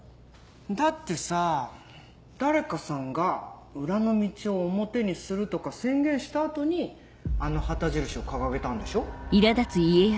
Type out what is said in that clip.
だってさ誰かさんが「裏の道を表にする」とか宣言した後にあの旗印を掲げたんでしょ？